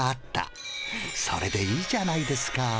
それでいいじゃないですか。